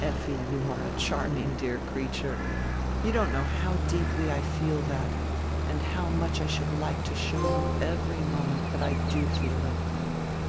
"Effi, you are a charming, dear creature. You don't know how deeply I feel that and how much I should like to show you every moment that I do feel it."